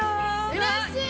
うれしい。